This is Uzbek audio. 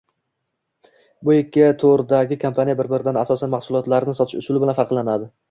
Bu ikki to‘rdagikompaniya bir-biridan asosan mahsulotlarini sotish usuli bilan farqlanadi